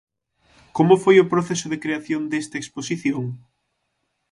Como foi o proceso de creación desta exposición?